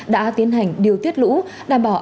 đã tiến hành điều tiết lũ đảm bảo